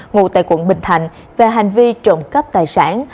ngủ tại quận bình thạnh về hành vi trộm cấp tài sản